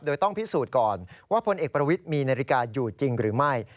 โดยต้องพิสูจน์ก่อนว่าพลเอกประวิทย์มีนาฬิกาอยู่จริงหรือไม่